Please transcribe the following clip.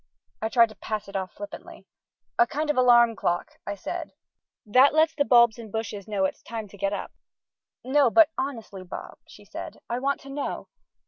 I tried to pass it off flippantly. "A kind of alarm clock," I said, "that lets the bulbs and bushes know it's time to get up." "No; but honestly, Bob," she said, "I want to know.